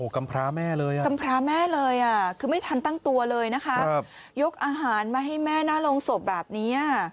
กำพราแม่เลยคือไม่ทันตั้งตัวเลยนะคะยกอาหารมาให้แม่น่าลงศพแบบนี้